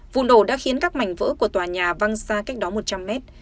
vụ nổ đã khiến các mảnh vỡ của tòa nhà văng xa cách đó một trăm linh mét